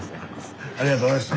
ありがとうございます。